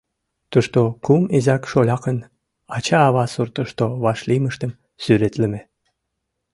Тушто кум изак-шолякын ача-ава суртышто вашлиймыштым сӱретлыме: